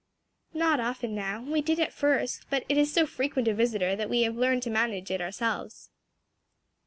"Not often now; we did at first, but it is so frequent a visitor that we have learned to manage it ourselves."